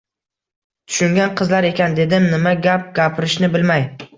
Tushungan qizlar ekan, – dedim nima gap gapirishni bilmay.